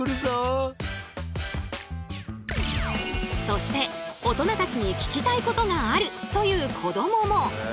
そして大人たちに聞きたいことがあるという子どもも！